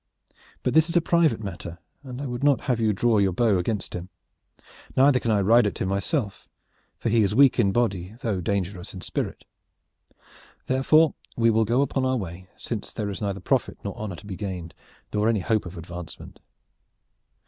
But this is a private matter, and I would not have you draw your bow against him. Neither can I ride at him myself, for he is weak in body, though dangerous in spirit. Therefore, we will go upon our way, since there is neither profit nor honor to be gained, nor any hope of advancement."